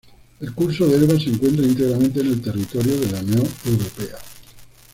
El curso del Elba se encuentra íntegramente en el territorio de la Unión Europea.